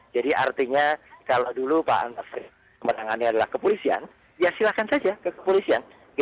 jadi artinya kalau dulu pak antasari menangani adalah kepolisian ya silakan saja ke kepolisian